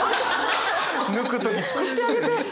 抜く時作ってあげて！